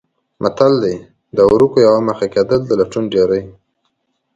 متل دی: د ورکو یوه مخه کېدل د لټون ډېرې.